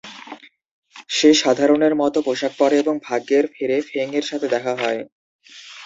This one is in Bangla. সে সাধারণের মত পোশাক পরে এবং ভাগ্যের ফেরে ফেং এর সাথে দেখা হয়।